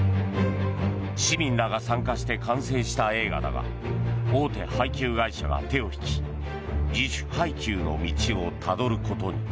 市民らが参加して完成した映画だが大手配給会社が手を引き自主配給の道をたどることに。